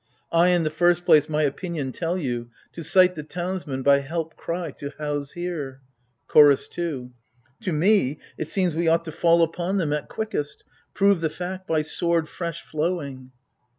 I, in the first place, my opinion tell you :— To cite the townsmen, by help cry, to house here. CHOROS 2. To me, it seems we ought to fall upon them At quickest — prove the tact by sword fresh flowing